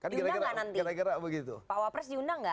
diundang gak nanti pak wapers diundang gak